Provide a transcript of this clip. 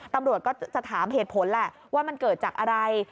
ตำรวจก็จะถามเหตุผลแหละว่ามันเกิดจากอะไร